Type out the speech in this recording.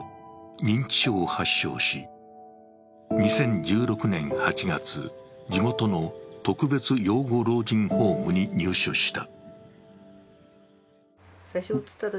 認知症を発症し、２０１６年８月、地元の特別養護老人ホームに入所した。